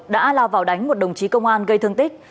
đã lao vào đánh một đồng chí công an gây thương tích